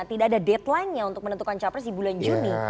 tidak ada datelinenya untuk menentukan capres di bulan juni